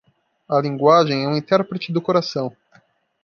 A linguagem é um intérprete do coração.